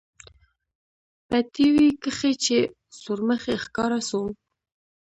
په ټي وي کښې چې سورمخى ښکاره سو.